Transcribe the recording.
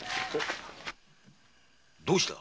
どうした？